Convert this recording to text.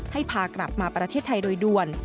ให้พากลับมาประเทศไทยโดยด่วน